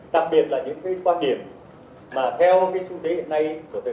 đặc biệt là những quan điểm theo xu hướng hiện nay của thời đại